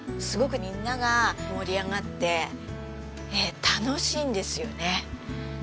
すごくみんなが盛り上がって楽しいんですよね。